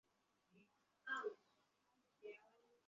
এটার ব্যাপকতা আরো বেশি।